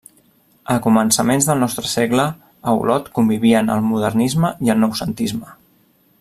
A començaments del nostre segle, a Olot convivien el Modernisme i el Noucentisme.